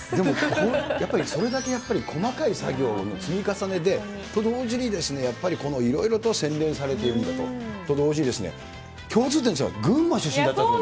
これ、やっぱりそれだけやっぱり、細かい作業の積み重ねで、と同時に、いろいろと洗練されているんだと。と同時に、共通点、群馬出身だったという。